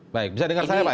baik bisa dengar saya apa ya